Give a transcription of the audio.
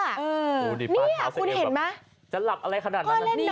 อู๊ยป้าท้าสิงเอวแบบจะหลับอะไรขนาดนั้นอันนี้นี่คุณเห็นมั้ย